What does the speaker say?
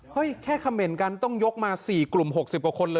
แค่คำเมนต์กันต้องยกมา๔กลุ่ม๖๐กว่าคนเลย